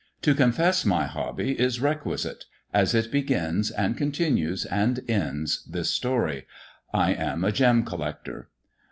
To confess my hobby is requisite, as it begins and continues and ends this story. I am a gem collector.